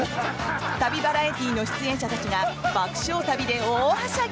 旅バラエティーの出演者たちが爆笑旅で大はしゃぎ！